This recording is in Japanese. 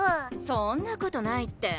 そんなことないって。